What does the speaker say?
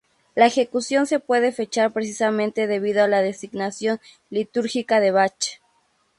La ejecución se puede fechar precisamente debido a la designación litúrgica de Bach.